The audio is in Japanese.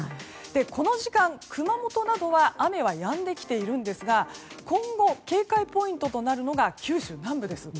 この時間、熊本などは雨はやんできていますが今後、警戒ポイントとなるのが九州南部です。